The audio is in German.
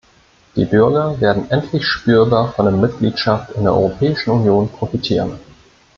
Die Bürger werden endlich spürbar von der Mitgliedschaft in der Europäischen Union profitieren.